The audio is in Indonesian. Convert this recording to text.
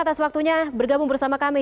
atas waktunya bergabung bersama kami